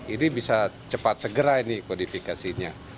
ini bisa cepat segera ini kodifikasinya